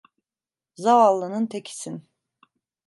Zavallının tekisin.